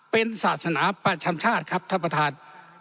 เป็นศาสนาประจำชาติครับท่านประธาน